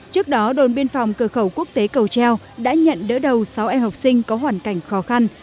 trước đó đồn biên phòng cửa khẩu quốc tế cầu treo đã nhận đỡ đầu sáu em học sinh có hoàn cảnh khó khăn